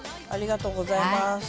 ありがとうございます。